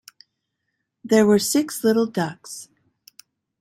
There were six little ducks.